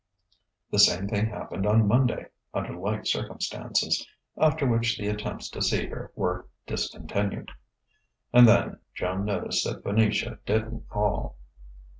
The same thing happened on Monday, under like circumstances; after which the attempts to see her were discontinued. And then, Joan noticed that Venetia didn't call....